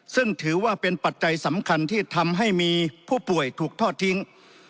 ซึ่งถือว่าเป็นปัจจัยสำคัญที่ทำให้มีผู้ป่วยถูกทอดทิ้ง